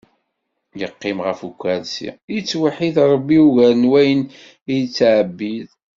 Yeqqim ɣef ukarsi, yettweḥid ṛebbi ugar n wayen it-yettɛebbid.